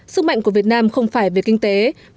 sức mạnh của việt nam không phải về kinh tế